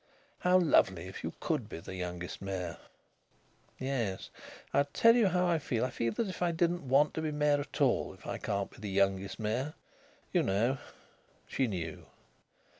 "How lovely if you could be the youngest mayor!" "Yes. I'll tell you how I feel. I feel as though I didn't want to be mayor at all if I can't be the youngest mayor... you know." She knew.